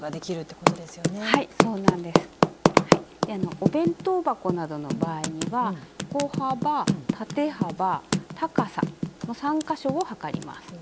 お弁当箱などの場合には横幅縦幅高さの３か所を測ります。